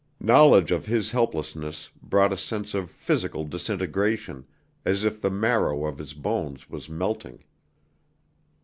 Knowledge of his helplessness brought a sense of physical disintegration, as if the marrow of his bones was melting.